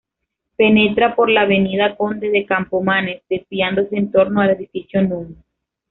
Penetra por la avenida Conde de Campomanes desviándose en torno al edificio núm.